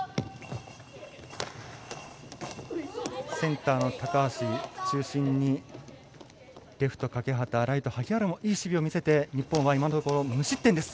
センター、高橋中心にレフト、欠端ライト、萩原もいい守備を見せて日本は今のところ無失点です。